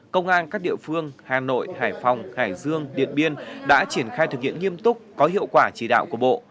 công an các địa phương hà nội hải phòng hải dương điện biên đã triển khai thực hiện nghiêm túc có hiệu quả chỉ đạo của bộ